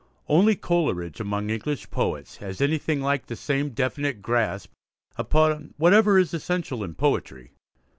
Only Coleridge among English poets has anything like the same definite grasp upon whatever is essential in poetry.